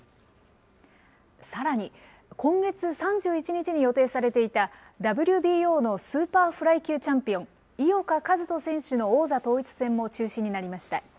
さらに、今月３１日に予定されていた、ＷＢＯのスーパーフライ級チャンピオン、井岡一翔選手の王座統一戦も中止になりました。